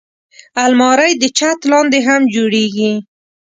الماري د چت لاندې هم جوړېږي